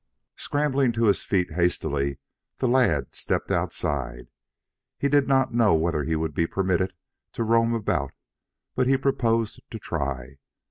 Scrambling to his feet hastily the lad stepped outside. He did not know whether he would be permitted to roam about, but he proposed to try.